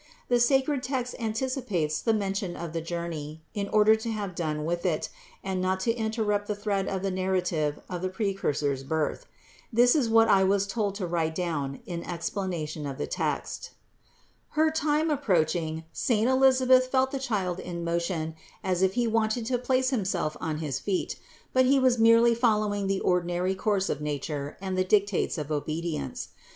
The sacred text anticipates the mention of the journey, in order to have done with it, and not to interrupt the thread of the narrative of the Precursor's birth. This is what I was told to write down in explanation of the text. 274. Her time approaching, saint Elisabeth felt the child in motion as if he wanted to place himself on his feet; but he was merely following the ordinary course of nature and the dictates of obedience.